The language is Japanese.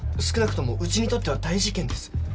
少なくともうちにとっては大事件です。